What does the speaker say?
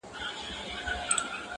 اینې درته څه وویل حیران یم